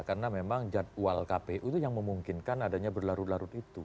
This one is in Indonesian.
karena memang jadwal kpu itu yang memungkinkan adanya berlarut larut itu